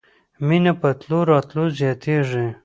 مينه په تلو راتلو زياتېږي.